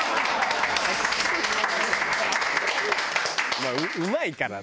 「まあうまいからな」